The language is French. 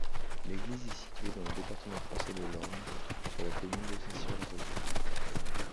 L'église est située dans le département français de l'Orne, sur la commune de Saint-Cyr-la-Rosière.